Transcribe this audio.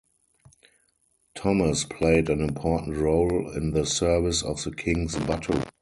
Thomas played an important role in the service of the kings buttery.